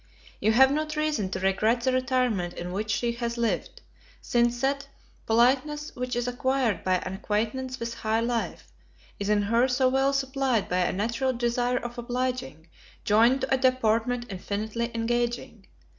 You have not reason to regret the retirement in which she has lived; since that politeness which is acquired by an acquaintance with high life, is in her so well supplied by a natural desire of obliging, joined to a deportment infinitely engaging.